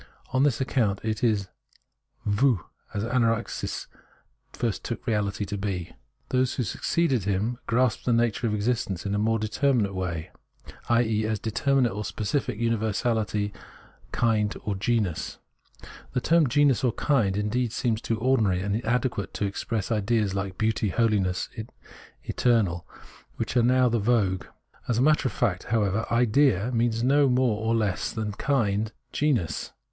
On this account it is fow, as Anaxagoras first took reahty to be. Those who succeeded him grasped the nature of existence in a more determinate way as elSoi or ISea, i.e. as determinate or specific universahty, kind or genus. The term genus or kind seems indeed too ordinary and inadequate to express ideas like beauty, holiness, eternal, which are now the vogue. As a matter of fact, however, idea {l&ia) means neither more nor less than kind, genus.